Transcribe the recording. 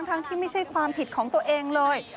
ทั้งที่ไม่ใช่ความผิดของตัวเองเลย